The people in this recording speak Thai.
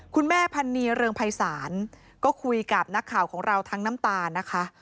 แม่พันนีเรืองภัยศาลก็คุยกับนักข่าวของเราทั้งน้ำตานะคะ